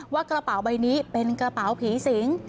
กระเป๋าใบนี้เป็นกระเป๋าผีสิง